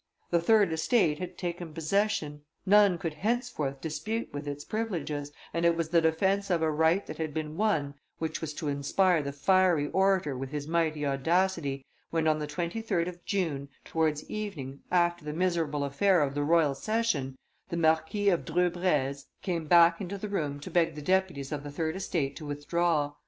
The third estate had taken possession, none could henceforth dispute with it its privileges, and it was the defence of a right that had been won which was to inspire the fiery orator with his mighty audacity, when on the 23d of June, towards evening, after the miserable affair of the royal session, the Marquis of Dreux Breze came back into the room to beg the deputies of the third estate to withdraw.